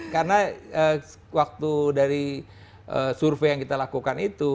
karena waktu dari survei yang kita lakukan itu